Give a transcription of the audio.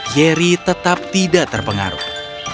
yeri tetap tidak terpengaruh